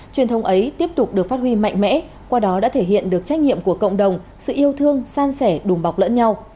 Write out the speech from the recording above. truyền thông ấy tiếp tục được phát huy mạnh mẽ qua đó đã thể hiện được trách nhiệm của cộng đồng sự yêu thương san sẻ đùm bọc lẫn nhau